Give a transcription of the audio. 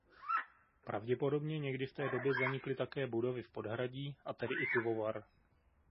Pravděpodobně někdy v té době zanikly také budovy v podhradí a tedy i pivovar.